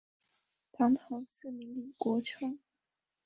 唐朝赐名李国昌。